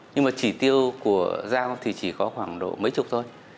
nhưng mà chỉ tiêu của giao thì chỉ có khoảng độ mấy chục thôi